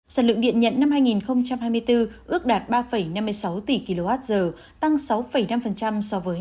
sản lượng điện nhận năm hai nghìn hai mươi bốn ước đạt ba năm mươi sáu tỷ kwh tăng sáu năm so với năm hai nghìn hai mươi ba